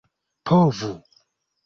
povu